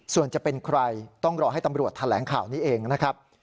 ส่วนจะเป็นใครต้องรอให้ตำรวจแถลงข่าวนี้เองนะครับ